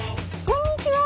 「こんにちは」。